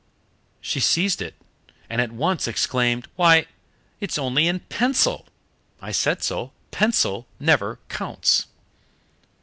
She seized it, and at once exclaimed: "Why, it's only in pencil! I said so. Pencil never counts."